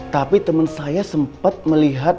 tapi teman saya sempat melihat